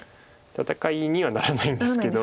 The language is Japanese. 戦いにはならないんですけど。